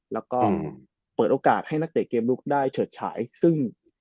แล้วก็เปิดโอกาสให้นักเตะเกมลุกได้เฉิดฉายซึ่ง